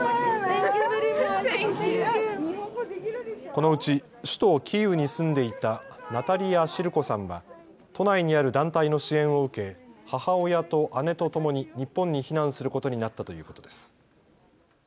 このうち首都キーウに住んでいたナタリア・シルコさんは都内にある団体の支援を受け母親と姉とともに日本に避難することになったということです。